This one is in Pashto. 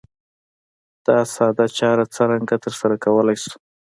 دا ساده چاره څرنګه ترسره کولای شو؟